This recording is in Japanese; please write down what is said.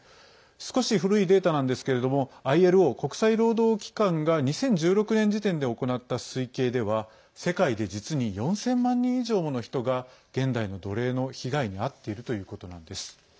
少し古いデータなんですけれどもＩＬＯ＝国際労働機関が２０１６年時点で行った推計では世界で実に４０００万人以上もの人が現代の奴隷の被害に遭っているということなんです。